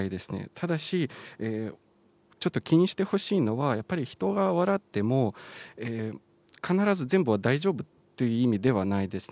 ただし、ちょっと気にしてほしいのは、やっぱり人が笑っても、必ず全部は大丈夫という意味ではないですね。